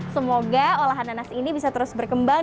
semoga olahan nanas ini bisa terus berkembang